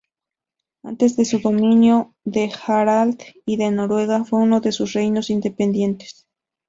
Antes del dominio de Harald I de Noruega, fue uno de esos reinos independientes.